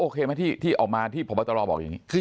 โอเคมาที่มันออกมาที่พระบัตราวีบบอกอย่างนี้